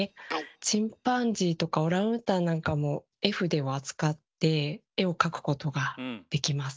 チンパンジーとかオランウータンなんかも絵筆を扱って絵を描くことができます。